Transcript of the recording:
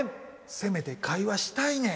せめて会話したいねん。